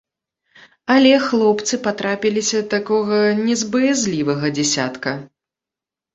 Але хлопцы патрапіліся такога не з баязлівага дзясятка.